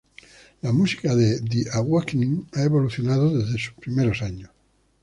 La música de The Awakening ha evolucionado desde sus primeros años.